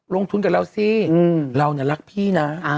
ลงทุนกับเราสิเราเนี่ยรักพี่นะ